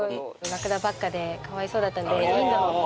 ラクダばっかでかわいそうだったんでうわ